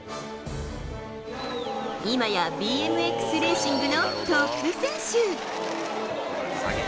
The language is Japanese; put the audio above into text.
今やＢＭＸレーシングのトップ選手。